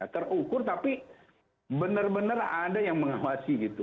terukur tapi benar benar ada yang mengawasi gitu